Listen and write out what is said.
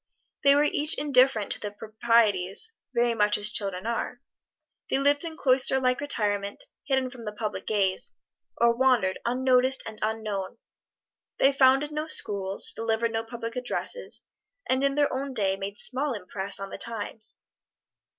They were each indifferent to the proprieties, very much as children are. They lived in cloister like retirement, hidden from the public gaze, or wandered unnoticed and unknown. They founded no schools, delivered no public addresses, and in their own day made small impress on the times.